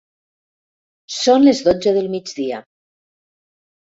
Són les dotze del migdia.